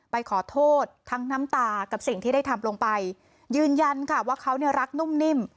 ไปขอโทษทั้งน้ำตากับสิ่งที่ได้ทำลงไปยืนยันค่ะว่าเขาเนี่ยรักนุ่มนิ่ม